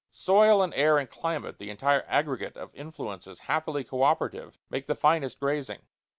Soil and air and climate the entire aggregate of influences happily co operative make the finest grazing.